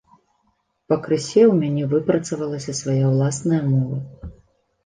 Пакрысе ў мяне выпрацавалася свая ўласная мова.